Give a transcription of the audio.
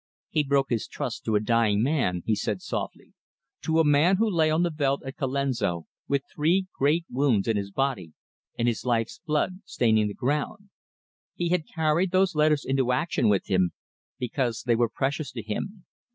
"He broke his trust to a dying man," he said softly, "to a man who lay on the veldt at Colenso with three great wounds in his body, and his life's blood staining the ground. He had carried those letters into action with him, because they were precious to him.